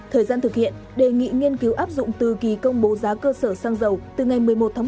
thời gian thực hiện đề nghị nghiên cứu áp dụng từ kỳ công bố giá cơ sở xăng dầu từ ngày một mươi một một mươi một hai nghìn hai mươi hai